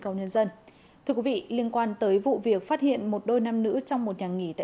công nhân dân thưa quý vị liên quan tới vụ việc phát hiện một đôi nam nữ trong một nhà nghỉ tại